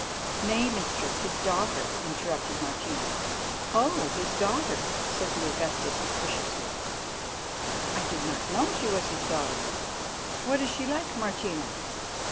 "Nay, Mistress, his daughter," interrupted Martina. "Oh! his daughter," said the Augusta suspiciously. "I did not know she was his daughter. What is she like, Martina?"